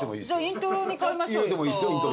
イントロに変えましょう。